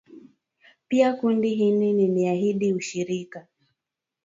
Pia kundi hili liliahidi ushirika